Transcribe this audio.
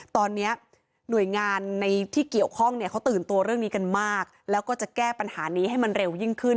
ตอนนี้หน่วยงานในที่เกี่ยวข้องเนี่ยเขาตื่นตัวเรื่องนี้กันมากแล้วก็จะแก้ปัญหานี้ให้มันเร็วยิ่งขึ้น